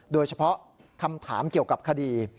โดยเฉพาะคำถามเกี่ยวกับคดี